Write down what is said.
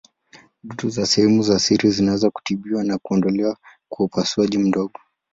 Dutu za sehemu za siri zinaweza kutibiwa na kuondolewa kwa upasuaji mdogo.